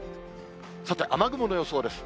さて、雨雲の予想です。